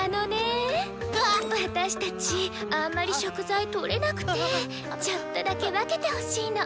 私たちあんまり食材とれなくてちょっとだけ分けてほしいの。